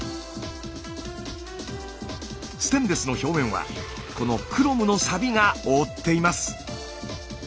ステンレスの表面はこのクロムのサビが覆っています。